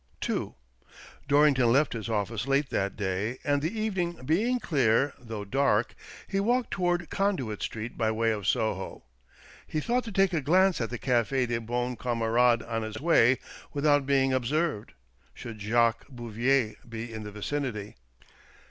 II Dorrington left his office late that day, and the evening being clear, though dark, he walked toward Conduit Street by way of Soho ; he thought to take a glance at the Cafe des Bons CASE OF THE '' MIBROR OF PORTUGAL" 115 Camarades on his way, without being observed, should Jacques Bouvier be in the vicinity.